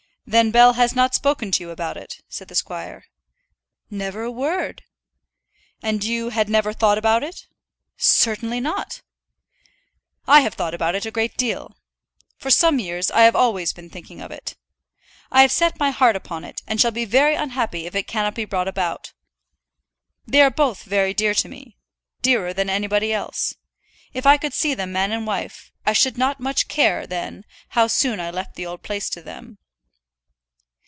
"Then Bell has not spoken to you about it," said the squire. "Never a word." "And you had never thought about it?" "Certainly not." "I have thought about it a great deal. For some years I have always been thinking of it. I have set my heart upon it, and shall be very unhappy if it cannot be brought about. They are both very dear to me, dearer than anybody else. If I could see them man and wife, I should not much care then how soon I left the old place to them."